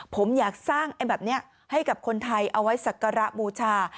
ผมอยากสร้างแบบเนี่ยให้กับคนไทยเอาไว้ศักรมูร์ชา